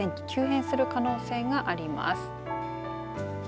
天気、急変する可能性があります。